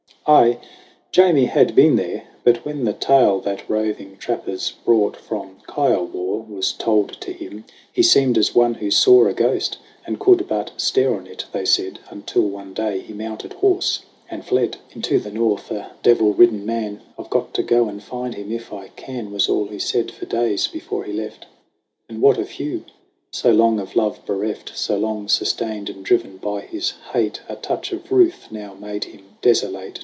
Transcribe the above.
Aye, Jamie had been there; but when the tale That roving trappers brought from Kiowa Was told to him, he seemed as one who saw A ghost, and could but stare on it, they said : Until one day he mounted horse and fled i n 4 SONG OF HUGH GLASS Into the North, a devil ridden man. "I've got to go and find him if I can," Was all he said for days before he left. And what of Hugh ? So long of love bereft, So long sustained and driven by his hate, A touch of ruth now made him desolate.